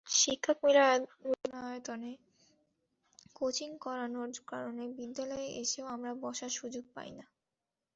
শিক্ষক মিলনায়তনে কোচিং করানোর কারণে বিদ্যালয়ে এসেও আমরা বসার সুযোগ পাই না।